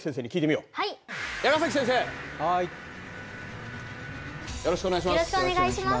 よろしくお願いします。